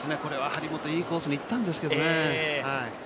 これは張本、いいコースに行ったんですけどね。